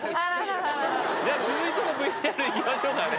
じゃあ、続いてのＶＴＲいきましょうかね。